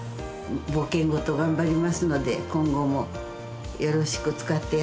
ボケんごと頑張りますので今後もよろしく使ってやってください。